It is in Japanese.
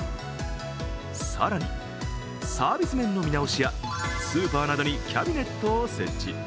更に、サービス面の見直しやスーパーなどにキャビネットを設置。